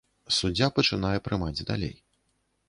Суддзя пачынае прымаць далей.